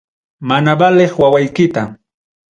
Mana valeq wawaykita.